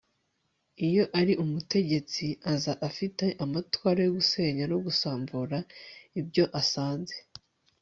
iyo ari umutegetsi aza afite amatwara yo gusenya no gusambura ibyo asanze